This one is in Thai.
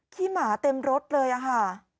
ขี้หมาเต็มรถเลยค่ะ